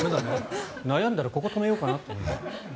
悩んだらここに止めようかな。